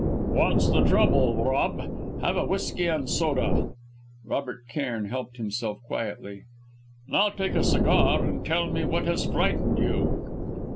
"What's the trouble, Rob? Have a whisky and soda." Robert Cairn helped himself quietly. "Now take a cigar and tell me what has frightened you."